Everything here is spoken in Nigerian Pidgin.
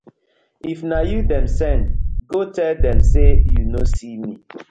If na yu dem sen, go tell dem say yu no see me.